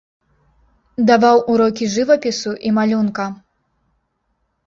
Даваў урокі жывапісу і малюнка.